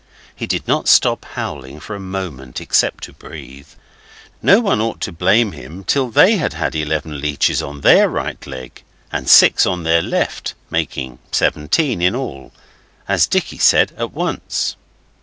He did not stop howling for a moment, except to breathe. No one ought to blame him till they have had eleven leeches on their right leg and six on their left, making seventeen in all, as Dicky said, at once.